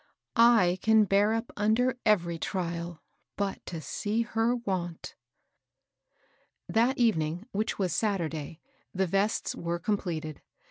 I can bear up under every trial but to see her want !" That evening, which was Saturday, the vests were completed.